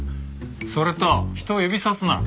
それと人を指さすな！